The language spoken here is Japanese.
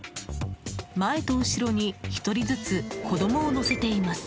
前と後ろに１人ずつ子供を乗せています。